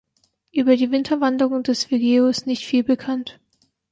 Über die Winterwanderung dieses Vireo ist nicht viel bekannt.